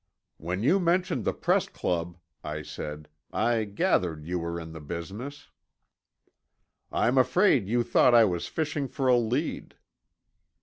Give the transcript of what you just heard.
"When you mentioned the Press Club," I said, "I gathered you were in the business." "I'm afraid you thought I was fishing for a lead."